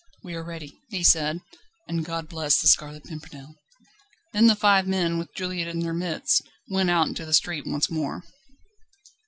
"We are ready," he said; "and God bless the Scarlet Pimpernel." Then the five men, with Juliette in their midst, went out into the street once more.